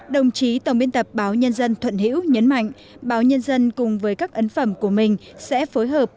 đồng chí tổng biên tập báo nhân dân thuận hữu nhấn mạnh báo nhân dân cùng với các ấn phẩm của mình sẽ phối hợp